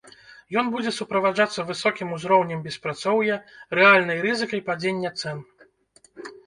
Ён будзе суправаджацца высокім узроўнем беспрацоўя, рэальнай рызыкай падзення цэн.